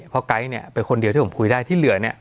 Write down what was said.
เพราะไก๊เนี่ยเป็นคนเดียวที่ผมคุยได้ที่เหลือเนี่ย